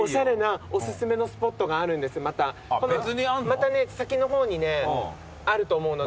また先の方にねあると思うので。